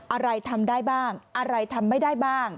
อะไรทำได้บ้างอะไรทำไม่ได้บ้าง